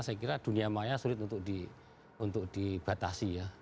saya kira dunia maya sulit untuk dibatasi ya